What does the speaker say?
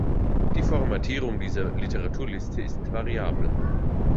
Die Formatierung dieser Literaturliste ist variabel.